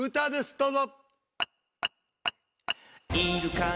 どうぞ。